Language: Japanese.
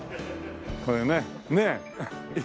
これねねえ。